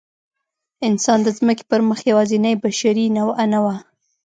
انسان د ځمکې پر مخ یواځینۍ بشري نوعه نه وه.